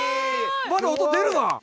まだ音出るわ！